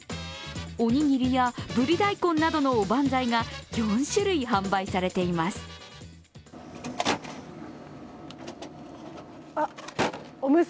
おにぎりやぶり大根などのおばんざいが４種類販売されています。